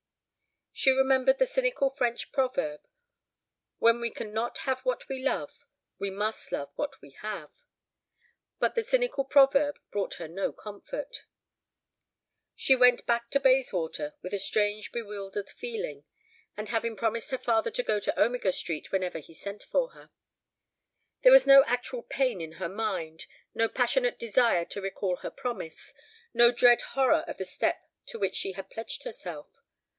She remembered the cynical French proverb, "When we can not have what we love, we must love what we have." But the cynical proverb brought her no comfort. She went back to Bayswater with a strange bewildered feeling; after having promised her father to go to Omega Street whenever he sent for her. There was no actual pain in her mind, no passionate desire to recall her promise, no dread horror of the step to which she had pledged herself.